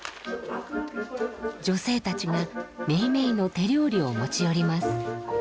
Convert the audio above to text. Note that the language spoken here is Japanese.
女性たちがめいめいの手料理を持ち寄ります。